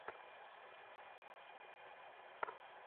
পারাসুর সাথে দেখা করতে এসেছেন?